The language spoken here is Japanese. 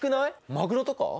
マグロとか？